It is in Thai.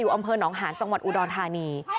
อำเภอหนองหาญจังหวัดอุดรธานี